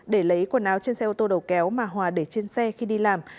để lấy quần áo trên xe ô tô đầu kéo mà hòa để trên xe khi đi làm